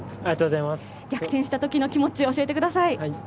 逆転したときの気持ちを教えてください。